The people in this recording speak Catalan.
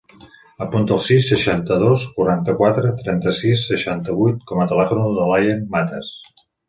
Apunta el sis, seixanta-dos, quaranta-quatre, trenta-sis, seixanta-vuit com a telèfon de l'Ayaan Matas.